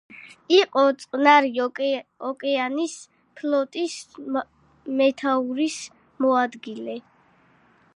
იყო წყნარი ოკეანის ფლოტის მეთაურის მოადგილე.